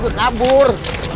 biarin lo udah kabur